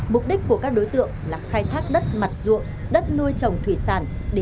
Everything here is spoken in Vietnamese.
mục đích của các đối tượng là khai thác đất mặt ruộng đất nuôi trồng thủy sản